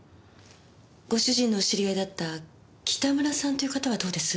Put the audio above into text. ご主人のお知り合いだった北村さんという方はどうです？